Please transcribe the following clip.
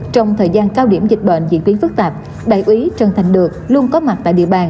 trong thời gian cao điểm dịch bệnh diễn biến phức tạp đại úy trần thành được luôn có mặt tại địa bàn